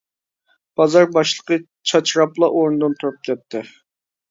بازار باشلىقى چاچراپلا ئورنىدىن تۇرۇپ كەتتى.